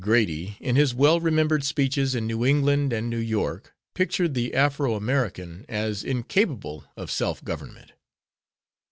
Grady in his well remembered speeches in New England and New York pictured the Afro American as incapable of self government.